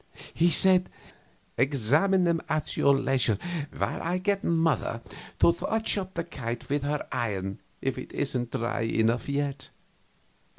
He said: "Examine them at your leisure while I get mother to touch up the kite with her iron if it isn't dry enough yet."